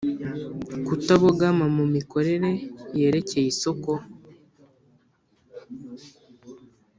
Kutabogama mu mikorere yerekeye isoko